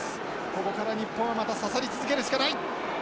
ここから日本はまた刺さり続けるしかない。